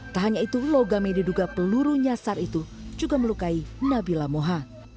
tak hanya itu logam yang diduga peluru nyasar itu juga melukai nabila moha